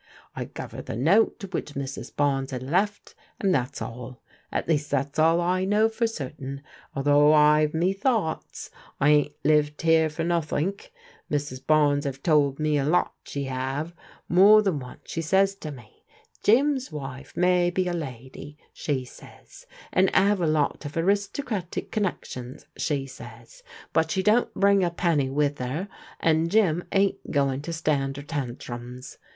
I guv her the note which Mrs. Bames had left, and that's all : at least that's all I know for certain, although I've me thoughts. I ain't lived here for nothink. Mrs. Bames 'ave told me a lot, she 'ave. More than once she says to me, 'Jim's wife may be a lady,' she says, 'and *ave a lot of aristocratic connec tions,' she says, 'but she don't bring a penny with 'er, and Jim ain't going to stand 'er tantrums.'